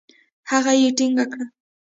هغه يې ټينګه کړه.